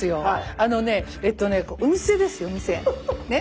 あのねえっとねお店ですお店。